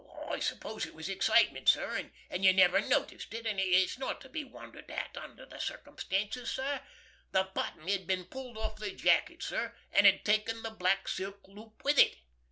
I suppose it was excitement, sir, and you never noticed it, and it's not to be wondered at under the circumstances, sir. The button had been pulled off the jacket, sir, and had taken the black silk loop with it.